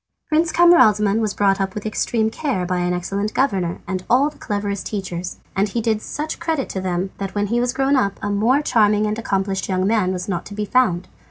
Prince Camaralzaman was brought up with extreme care by an excellent governor and all the cleverest teachers, and he did such credit to them that when he was grown up, a more charming and accomplished young man was not to be found.